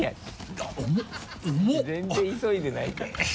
全然急いでないじゃん。